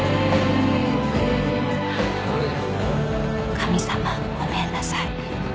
・［神様ごめんなさい］